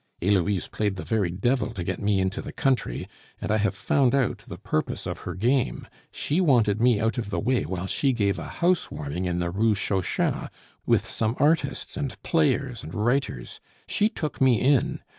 Heloise played the very devil to get me into the country, and I have found out the purpose of her game; she wanted me out of the way while she gave a house warming in the Rue Chauchat, with some artists, and players, and writers. She took me in!